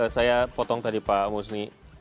saya potong tadi pak musni